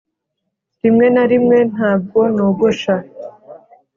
rimwe na rimwe ntabwo nogosha